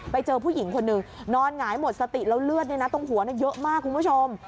ไปเจอผู้หญิงคนหนึ่งนอนหงายหมดสติแล้วเลือดตรงหัวเยอะมากคุณผู้ชม